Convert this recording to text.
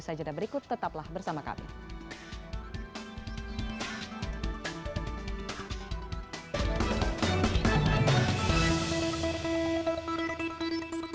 sajadan berikut tetaplah bersama kami